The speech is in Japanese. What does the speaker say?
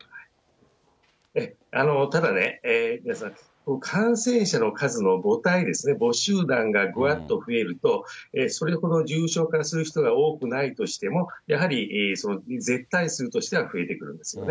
ただね、感染者の数の母体ですね、母集団がぐわっと増えるとそれほど重症化する人が多くないとしても、やはり絶対数としては増えてくるんですね。